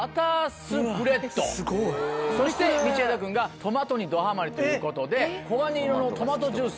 そして道枝君がトマトにどハマりということで黄金色のトマトジュース。